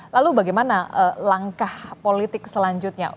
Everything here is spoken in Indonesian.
lalu bagaimana langkah politik selanjutnya